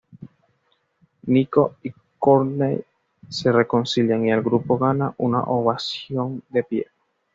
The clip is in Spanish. Nikko y Courtney se reconcilian, y el grupo gana una ovación de pie.